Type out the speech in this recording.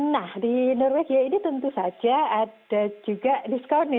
nah di norwegia ini tentu saja ada juga diskon ya